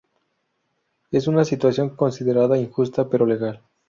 Es una situación considerada injusta pero legal.